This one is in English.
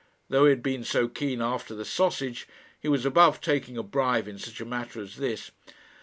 Though he had been so keen after the sausage, he was above taking a bribe in such a matter as this.